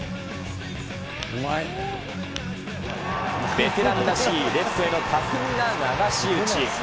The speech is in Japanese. ベテランらしいレフトへの巧みな流し打ち。